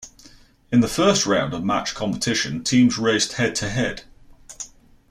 In the first round of match competition, teams raced head-to-head.